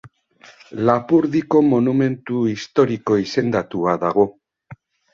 Lapurdiko monumentu historiko izendatua dago.